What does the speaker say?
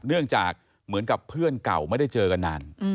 เนื่องจากเหมือนกับเพื่อนเก่าไม่ได้เจอกันนาน